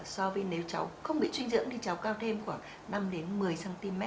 so với nếu cháu không bị suy dinh dưỡng thì cháu cao thêm khoảng năm đến một mươi cm